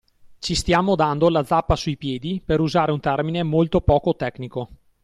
Ci stiamo dando la zappa sui piedi per usare un termine molto (poco) tecnico.